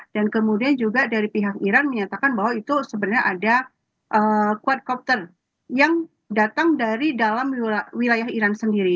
dan kemudian juga dari pihak iran menyatakan bahwa itu sebenarnya ada quadcopter yang datang dari dalam wilayah iran sendiri